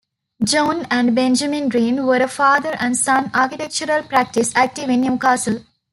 John and Benjamin Green were a father and son architectural practice active in Newcastle.